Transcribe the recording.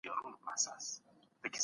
په کور کې د بل چا حق نه خوړل کېږي.